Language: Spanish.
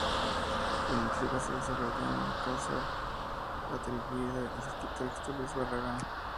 La intriga se desarrolla en una casa atribuida al arquitecto Luis Barragán.